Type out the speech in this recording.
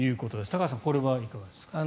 高橋さん、これはいかがですか。